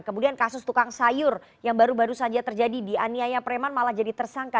kemudian kasus tukang sayur yang baru baru saja terjadi di aniaya preman malah jadi tersangka